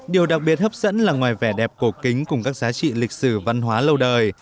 điều đặc biệt hấp dẫn là ngoài vẻ đẹp cổ kính cùng các giá trị lịch sử văn hóa lâu đời